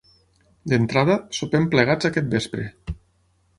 D'entrada, sopem plegats aquest vespre.